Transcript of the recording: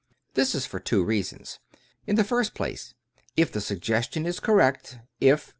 This is for two reasons. In the first place, if the suggestion is correct, if, e.